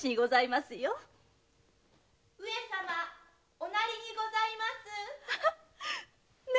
お成りにございます！ね？